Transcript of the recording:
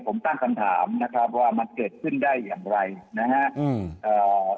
ผมตั้งคำถามนะครับว่ามันเกิดขึ้นได้อย่างไรนะฮะอืมเอ่อ